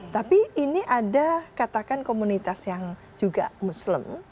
tapi ini ada katakan komunitas yang juga muslim